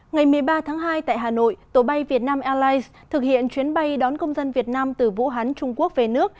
ngày một mươi ba tháng hai tại hà nội tổ bay vietnam airlines thực hiện chuyến bay đón công dân việt nam từ vũ hán trung quốc về nước